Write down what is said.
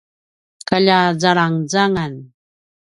kalja zalangzangan